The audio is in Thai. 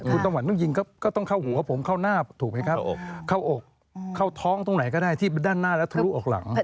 คุณตำรวจต้องยิงก็ต้องเข้าหัวผมเข้าหน้าถูกไหมครับเข้าอกเข้าท้องตรงไหนก็ได้ที่ด้านหน้าแล้วทะลุออกหลัง